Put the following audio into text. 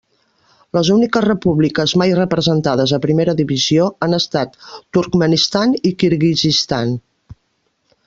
Les úniques repúbliques mai representades a primera divisió han estat Turkmenistan i Kirguizistan.